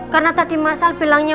karena tadi mas al bilangnya